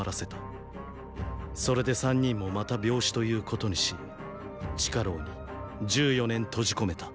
それで三人もまた病死ということにし地下牢に十四年閉じ込めた。